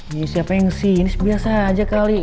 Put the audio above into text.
ini siapa yang sinis biasa aja kali